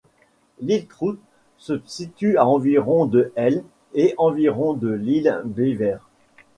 L'île Trout se situe à environ de l' et environ de l'île Beaver.